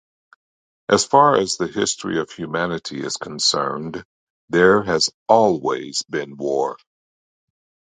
As far as the history of humanity is concerned, there has always been war.